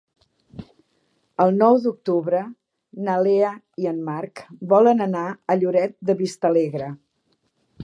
El nou d'octubre na Lea i en Marc volen anar a Lloret de Vistalegre.